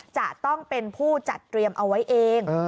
จะต้องเป็นผู้จัดเตรียมเอาไว้เอง